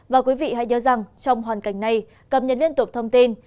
và quý vị hãy nhớ rằng trong hoàn cảnh này cập nhật liên tục thông tin